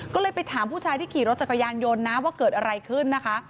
ก็เลยไปถามผู้ชายที่ขี่รถจักรยานยนต์นะว่าเกิดอะไรขึ้นนะคะ